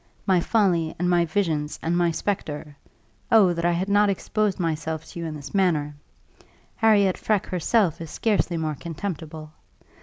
My folly, and my visions, and my spectre oh, that I had not exposed myself to you in this manner! Harriot Freke herself is scarcely more contemptible.